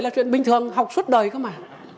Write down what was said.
là chuyện bình thường học suốt đời cơ mà